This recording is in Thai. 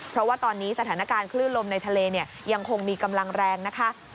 เพราะว่าตอนนี้สถานการณ์คลื่นลมในทะเลเนี่ยยังคงมีกำลังแรงนะคะ